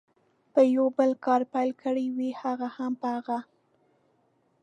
په یو بل کار پیل کړي وي، هغه هم په هغه.